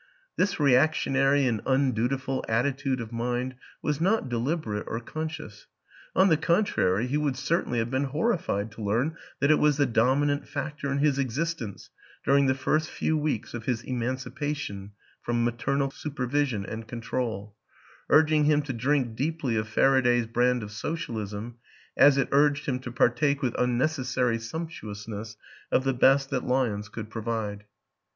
This reactionary and un dutiful attitude of mind was not deliberate or conscious ; on the contrary, he would certainly have been horrified to learn that it was the dominant factor in his existence during the first few weeks of his emancipation from maternal supervision and control urging him to drink deeply of Far aday's brand of Socialism as it urged him to par take with unnecessary sumptuousness of the best that Lyons could provide.